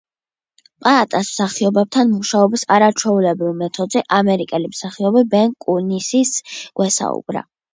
პაატას მსახიობებთან მუშაობის არაჩვეულებრივ მეთოდზე ამერიკელი მსახიობი – ბენ კუნისიც – გვესაუბრა.